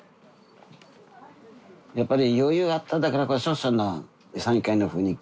やっぱり余裕あっただからこそその山友会の雰囲気